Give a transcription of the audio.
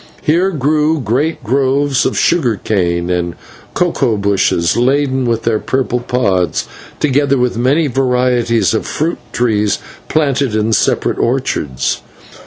Here grew great groves of sugar cane, and cocoa bushes laden with their purple pods, together with many varieties of fruit trees planted in separate orchards.